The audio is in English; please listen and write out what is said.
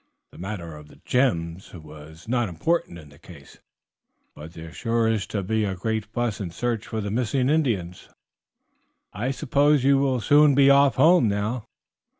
The matter of the gems was not important in the case, but there is sure to be a great fuss and search for the missing Indians. I suppose you will soon be off home now?"